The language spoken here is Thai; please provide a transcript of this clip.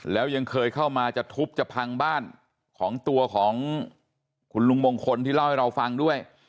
แล้วยังเคยเข้ามาจะทุบจะพังบ้านของตัวของคุณลุงมงคลที่เล่าให้เราฟังด้วย